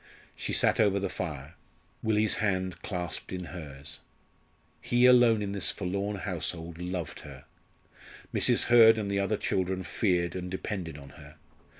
She sat over the fire, Willie's hand clasped in hers. He alone in this forlorn household loved her. Mrs. Hurd and the other children feared and depended on her.